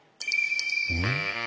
うん？